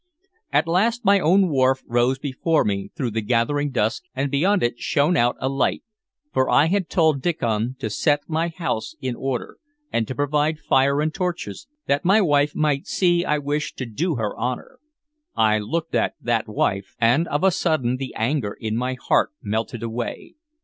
At last my own wharf rose before me through the gathering dusk, and beyond it shone out a light; for I had told Diccon to set my house in order, and to provide fire and torches, that my wife might see I wished to do her honor. I looked at that wife, and of a sudden the anger in my heart melted away.